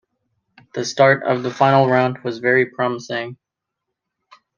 The start of the final round was very promising.